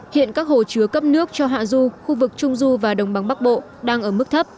hiện các hồ chứa cấp nước cho hạ du khu vực trung du và đồng bằng bắc bộ đang ở mức thấp